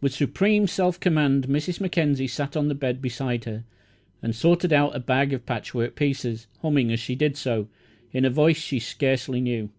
With supreme self command Mrs. Mackenzie sat on the bed beside her and sorted out a bag of patchwork pieces, humming as she did so, in a voice she scarcely knew.